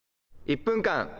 「１分間！